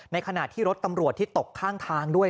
ขณะที่รถตำรวจที่ตกข้างทางด้วย